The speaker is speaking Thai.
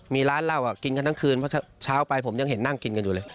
มีร้านเหล้ากินกันทั้งคืนเพราะเช้าไปผมยังเห็นนั่งกินกันอยู่เลย